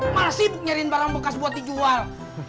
malah sibuk nyariin barang bekas buat dijual